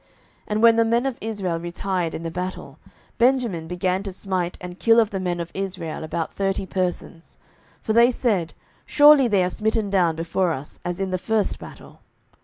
07:020:039 And when the men of Israel retired in the battle, Benjamin began to smite and kill of the men of Israel about thirty persons: for they said, Surely they are smitten down before us, as in the first battle.